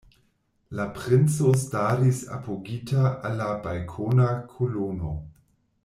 La princo staris apogita al la balkona kolono.